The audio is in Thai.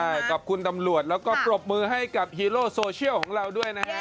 ใช่ขอบคุณตำรวจแล้วก็ปรบมือให้กับฮีโร่โซเชียลของเราด้วยนะฮะ